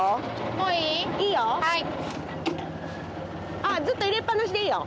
もういい？いいよ！あっずっと入れっぱなしでいいよ。